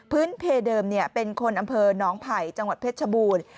เพเดิมเป็นคนอำเภอน้องไผ่จังหวัดเพชรชบูรณ์